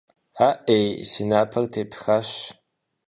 АӀей, си напэр тепхащ!